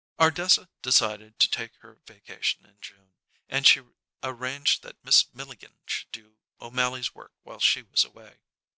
Ardessa decided to take her vacation in June, and she arranged that Miss Milligan should do O'Mally's work while she was away.